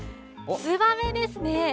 ツバメですね。